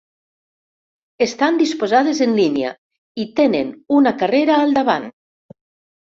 Estan disposades en línia i tenen una carrera al davant.